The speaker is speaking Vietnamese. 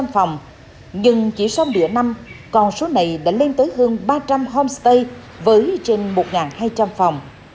năm phòng nhưng chỉ sau nửa năm còn số này đã lên tới hơn ba trăm linh homestay với trên một hai trăm linh phòng